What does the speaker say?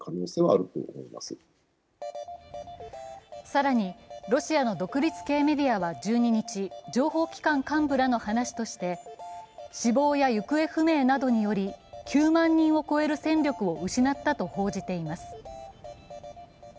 更に、ロシアの独立系メディアは１２日、情報機関幹部らの話として死亡や行方不明などにより９万人を超える戦力を失ったと報じています。